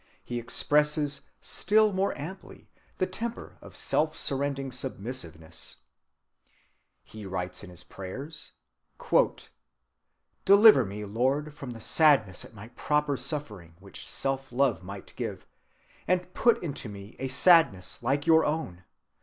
He expresses still more amply the temper of self‐surrendering submissiveness:— "Deliver me, Lord," he writes in his prayers, "from the sadness at my proper suffering which self‐love might give, but put into me a sadness like your own.